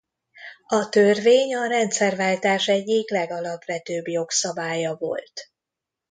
A törvény a rendszerváltás egyik legalapvetőbb jogszabálya volt.